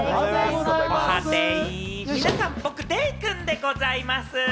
皆さん、僕デイくんでございます。